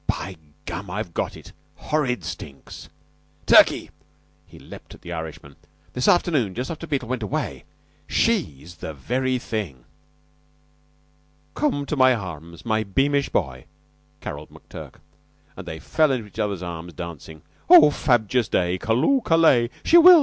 "By gum! I've got it. Horrid stinks! Turkey!" He leaped at the Irishman. "This afternoon just after Beetle went away! She's the very thing!" "Come to my arms, my beamish boy," caroled McTurk, and they fell into each other's arms dancing. "Oh, frabjous day! Calloo, callay! She will!